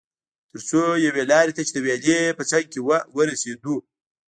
تر څو یوې لارې ته چې د ویالې په څنګ کې وه ورسېدو.